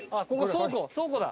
倉庫だ。